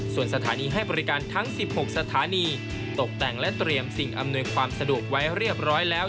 ส่วนสถานีให้บริการทั้ง๑๖สถานีตกแต่งและเตรียมสิ่งอำนวยความสะดวกไว้เรียบร้อยแล้ว